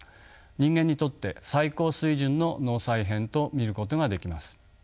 人間にとって最高水準の脳再編と見ることができます。